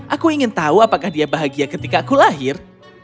aku ingin tahu apakah dia bahagia ketika aku lahir